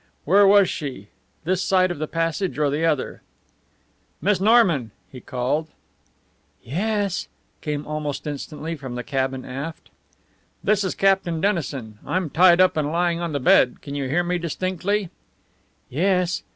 Where was she? This side of the passage or the other? "Miss Norman?" he called. "Yes?" came almost instantly from the cabin aft. "This is Captain Dennison. I'm tied up and lying on the bed. Can you hear me distinctly?" "Yes.